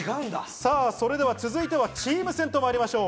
それでは続いてチーム戦とまいりましょう。